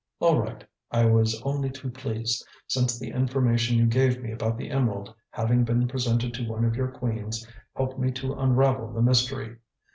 "All right. I was only too pleased, since the information you gave me about the emerald having been presented to one of your queens, helped me to unravel the mystery.